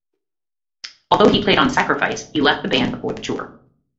Although he played on "Sacrifice", he left the band before the tour.